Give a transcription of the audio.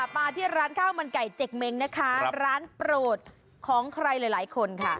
ไปที่ร้านข้าวมันไก่เจกเม้งนะคะร้านโปรดของใครหลายคนค่ะ